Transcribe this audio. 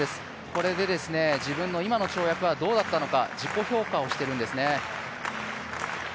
これで自分の今の跳躍はどうだったのか自己評価をしているんですね。